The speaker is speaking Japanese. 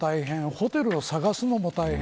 ホテルを探すのも大変。